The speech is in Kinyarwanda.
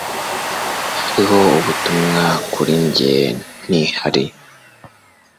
Hariho ubutumwa kuri njye, ntihari?